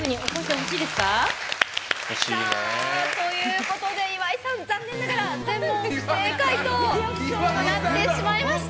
ほしいね。ということで岩井さん、残念ながら全問不正解となってしまいました。